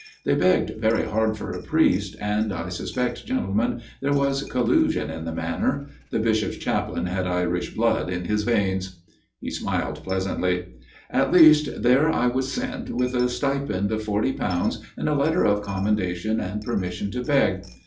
They begged very hard for a priest, and, I sus pect, gentlemen, there was collusion in the matter. The Bishop's chaplain had Irish blood in his veins." He smiled pleasantly. " At least, there I was sent, with a stipend of forty pounds and a letter of commendation and permission to beg.